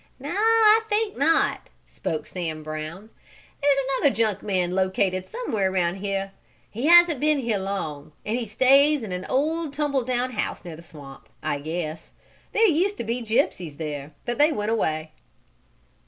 "No, I think not," spoke Sam Brown. "There's another junk man located somewhere around here. He hasn't been here long, and he stays in an old tumble down house near the swamp, I guess. There used to be gypsies there, but they went away."